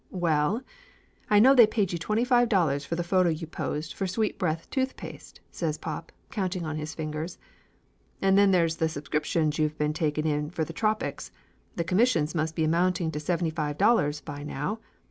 "Well, I know they paid you twenty five dollars for the photo you posed for Sweet breath Tooth Paste," says pop, counting on his fingers. "And then there's the subscriptions you've been taking in for Tropics; the commissions must be amounting to seventy five dollars by now.